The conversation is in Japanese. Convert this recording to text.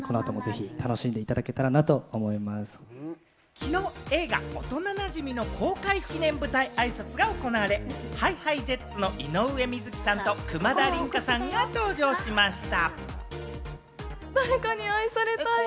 きのう映画『おとななじみ』の公開記念舞台あいさつが行われ、ＨｉＨｉＪｅｔｓの井上瑞稀さんと久間田琳加さんが登場しました。